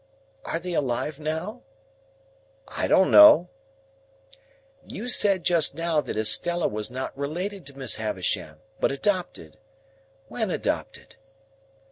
"Are they alive now?" "I don't know." "You said just now that Estella was not related to Miss Havisham, but adopted. When adopted?"